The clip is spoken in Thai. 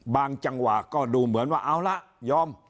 จังหวะก็ดูเหมือนว่าเอาละยอม